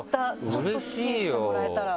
ちょっとスッキリしてもらえたら。